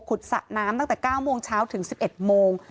สระน้ำตั้งแต่๙โมงเช้าถึง๑๑โมง